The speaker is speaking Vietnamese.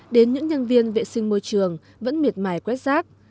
đến những nhân viên vệ sinh môi trường vẫn miệt mài quét rác